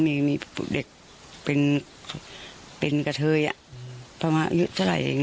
อ๋อมีมีเด็กเป็นเป็นกระเทยอ่ะเพราะว่าชะลัยเอง